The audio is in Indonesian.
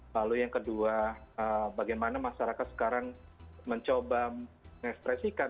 lalu yang kedua bagaimana masyarakat sekarang mencoba mengekspresikan